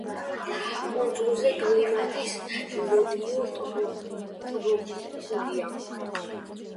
კუნძულზე კლიმატი ნოტიო ტროპიკულია.